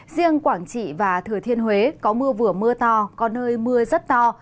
riêng quảng trị và thừa thiên huế có mưa vừa mưa to có nơi mưa rất to